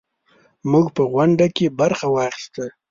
موږ په غونډه کې برخه واخیسته.